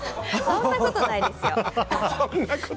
そんなことないですよ。